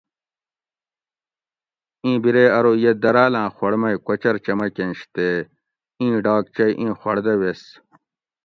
اِیں بیرے ارو یہ دراۤل آں خوڑ مئ کوچۤر چمکیںش تے اِیں ڈاکچئ ایں خوڑ دہ ویس